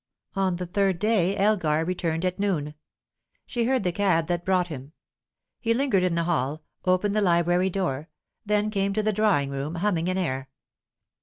On the third day Elgar returned, at noon. She heard the cab that brought him. He lingered in the hall, opened the library door; then came to the drawing room, humming an air.